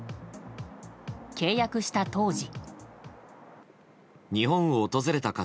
契約した当時。